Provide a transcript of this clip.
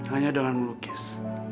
hanya dengan melukis